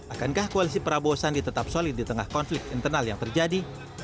akankah koalisi prabowo sandi tetap solid di tengah konflik internal yang terjadi